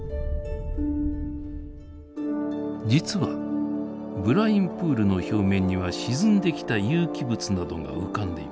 実はブラインプールの表面には沈んできた有機物などが浮かんでいます。